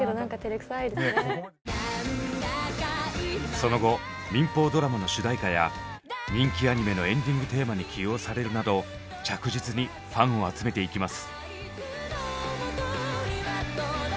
その後民放ドラマの主題歌や人気アニメのエンディングテーマに起用されるなど着実にファンを集めていきます。